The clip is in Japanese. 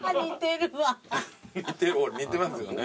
似てますよね。